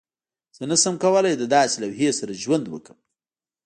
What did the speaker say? زه نشم کولی د داسې لوحې سره ژوند وکړم